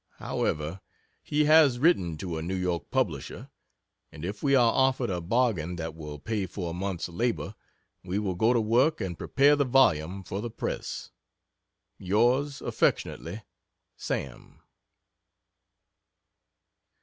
However, he has written to a New York publisher, and if we are offered a bargain that will pay for a month's labor we will go to work and prepare the volume for the press. Yours affy, SAM.